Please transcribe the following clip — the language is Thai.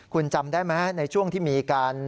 คุณจำได้ไหมในช่วงที่มีการ